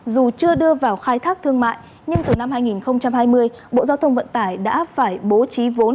dù chưa đưa vào khai thác thương mại nhưng từ năm hai nghìn hai mươi bộ giao thông vận tải đã phải bố trí vốn